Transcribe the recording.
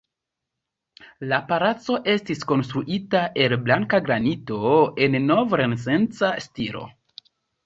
La palaco estis konstruita el blanka granito en nov-renesanca stilo.